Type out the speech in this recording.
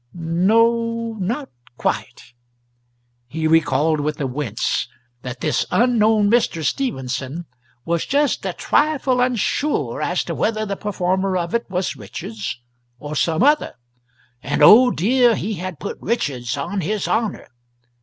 .. No, not quite. He recalled with a wince that this unknown Mr. Stephenson was just a trifle unsure as to whether the performer of it was Richards or some other and, oh dear, he had put Richards on his honour!